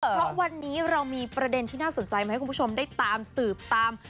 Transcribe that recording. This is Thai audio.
เพราะวันนี้เรามีประเด็นที่น่าสนใจมาให้คุณผู้ชมได้ตามสืบตาม